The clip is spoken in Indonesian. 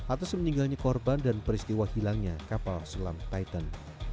atas meninggalnya korban dan peristiwa hilangnya kapal selam titan